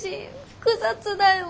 複雑だよ。